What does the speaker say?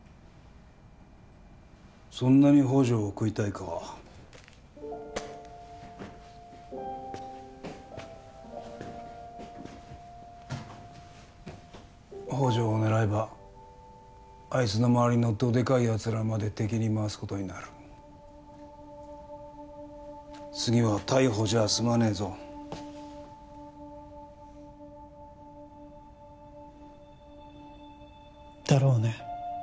そんなに宝条を喰いたいか宝条を狙えばあいつの周りのドでかいやつらまで敵に回すことになる次は逮捕じゃ済まねえぞだろうね